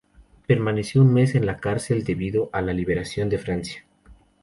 Solo permaneció un mes en la cárcel debido a la liberación de Francia.